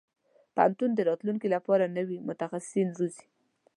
پوهنتون د راتلونکي لپاره نوي متخصصين روزي.